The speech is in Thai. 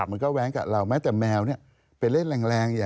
มันก็แว้งกัดเราแม้แต่แมวเนี่ย